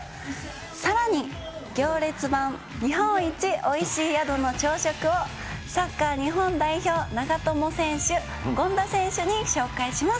さらに、行列版日本一美味しい宿の朝食を、サッカー日本代表、長友選手、権田選手に紹介します。